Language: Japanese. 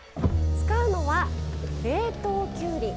使うのは冷凍きゅうり。